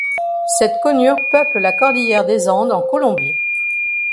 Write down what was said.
Cette conure peuple la cordillère des Andes en Colombie.